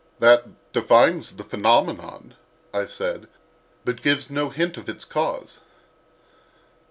'" "That defines the phenomenon," I said, "but gives no hint of its cause."